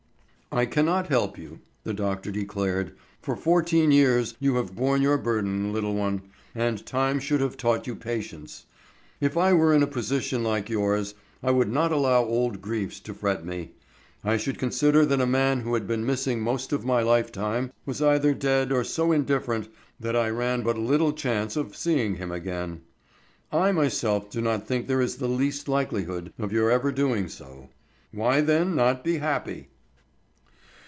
"I cannot help you," the doctor declared. "For fourteen years you have borne your burden, little one, and time should have taught you patience. If I were in a position like yours I would not allow old griefs to fret me. I should consider that a man who had been missing most of my lifetime was either dead or so indifferent that I ran but little chance of seeing him again. I myself do not think there is the least likelihood of your ever doing so. Why then not be happy?"